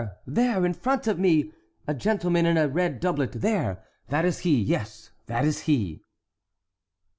there! in front of me—a gentleman in a red doublet. There!—that is he—yes, that is he."